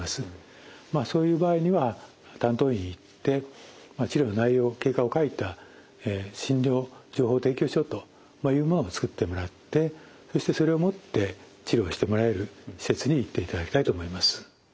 そういう場合には担当医に言って治療の内容経過を書いた診療情報提供書というものを作ってもらってそしてそれを持って治療してもらえる施設に行っていただきたいと思います。